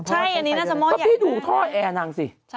พี่ไปดูท่อแอร์นางซิ